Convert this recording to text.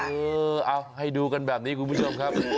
เออเอาให้ดูกันแบบนี้คุณผู้ชมครับ